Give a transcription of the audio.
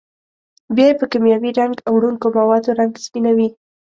بیا یې په کېمیاوي رنګ وړونکو موادو رنګ سپینوي.